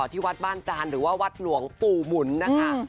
ที่วัดบ้านจานหรือว่าวัดหลวงปู่หมุนนะคะ